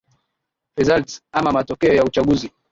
results ama matokeo ya uchaguzi